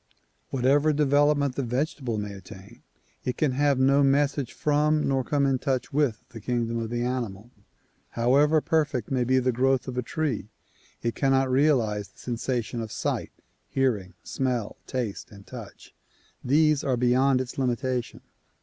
Whatever development the vegetable may attain, it can have no message from nor come in touch with the kingdom of the animal. However perfect may be the growth of a tree it cannot realize the sensation of sight, hearing, smell, taste and touch; these are beyond its limitation.